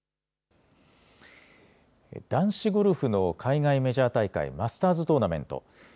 男子ゴルフの海外メジャー大会、マスターズ・トーナメント。